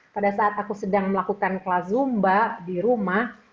pada saat aku sedang melakukan kelas zumba di rumah